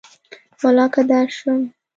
ولاکه درشم